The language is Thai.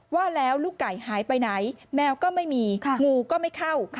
ว่าแล้วลูกไก่หายไปไหนแมวก็ไม่มีงูก็ไม่เข้า